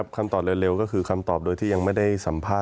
มีความรู้สึกว่ามีความรู้สึกว่า